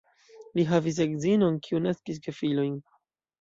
Li havis edzinon, kiu naskis gefilojn.